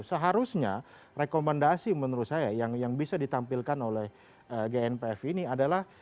seharusnya rekomendasi menurut saya yang bisa ditampilkan oleh gnpf ini adalah